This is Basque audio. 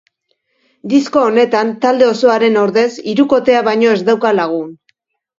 Disko honetan, talde osoaren ordez, hirukotea baino ez dauka lagun.